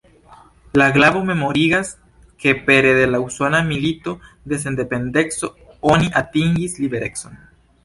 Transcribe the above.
La glavo memorigas ke pere de la Usona Milito de Sendependeco oni atingis liberecon.